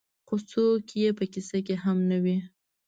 خو څوک یې په کيسه کې هم نه دي.